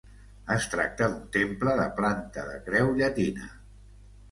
Es tracta d'un temple de planta de creu llatina.